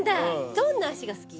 どんな足が好き？